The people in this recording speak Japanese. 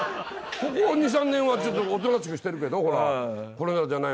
ここ２３年はちょっとおとなしくしてるけどほら今。